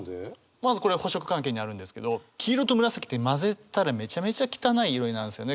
まずこれは補色関係にあるんですけど黄色と紫って混ぜたらめちゃめちゃ汚い色になるんですよね。